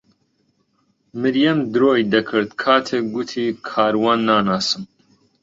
مریەم درۆی دەکرد کاتێک گوتی کاروان ناناسم.